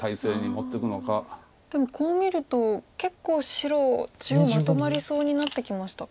でもこう見ると結構白中央まとまりそうになってきましたか？